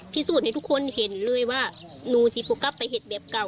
ต้องจะให้เห็นว่าหนูที่ปง๊บไปเห็นแบบเก่า